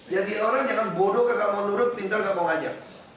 jadi orang yang bodoh gak mau nurut pintar gak mau ngajak